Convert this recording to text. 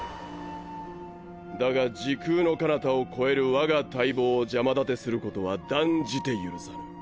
だが時空の彼方を超える我が大望を邪魔立てすることは断じて許さぬ。